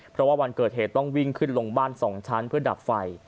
เพราะว่าวันเกิดเหตุต้องวิ่งขึ้นลงบ้าน๒ชั้นเพื่อดับไฟ